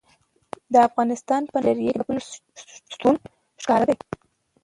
د افغانستان په منظره کې د پسونو شتون ښکاره دی.